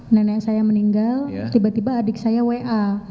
nenek saya meninggal tiba tiba adik saya wa